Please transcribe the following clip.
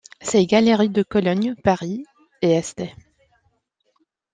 Ses galeries de Cologne, Paris et St.